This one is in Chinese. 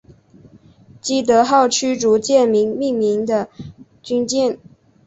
基德号驱逐舰命名的军舰。